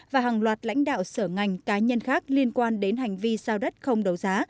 và hàng loạt lãnh đạo sở ngành cá nhân khác liên quan đến hành vi giao đất không đấu giá